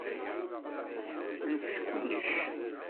Ntess kullec.